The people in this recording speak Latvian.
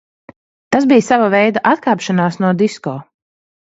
Tas bija sava veida atkāpšanās no disko.